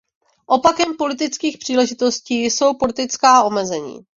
Opakem politických příležitostí jsou politická omezení.